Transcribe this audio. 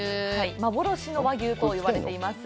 幻の和牛と呼ばれています。